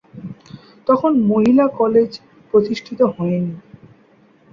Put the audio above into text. তখন মহিলা কলেজ প্রতিষ্ঠিত হয়নি।